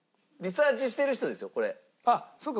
あっそっか。